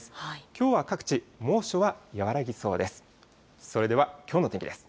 きょうは各地、猛暑は和らぎそうです。